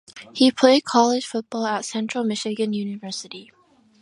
He played college football at Central Michigan University.